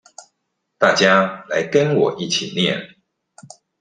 大家來跟我一起念